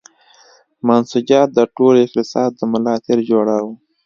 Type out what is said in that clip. منسوجات د ټول اقتصاد د ملا تیر جوړاوه.